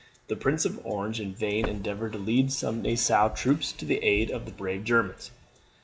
The Prince of Orange in vain endeavoured to lead some Nassau troops to the aid of the brave Germans.